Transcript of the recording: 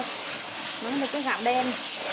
nó mới được cái gạo đen